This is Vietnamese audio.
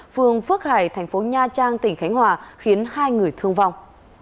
phường phước hải thành phố nha trang tỉnh khánh hòa khiến hai người thương vong